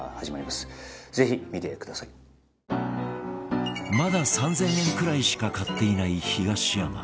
まだ３０００円くらいしか買っていない東山